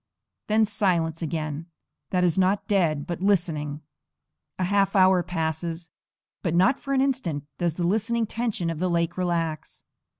_ then silence again, that is not dead, but listening. A half hour passes; but not for an instant does the listening tension of the lake relax.